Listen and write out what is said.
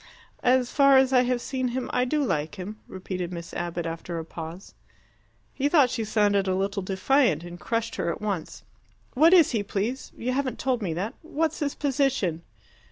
"As far as I have seen him, I do like him," repeated Miss Abbott, after a pause. He thought she sounded a little defiant, and crushed her at once. "What is he, please? You haven't told me that. What's his position?"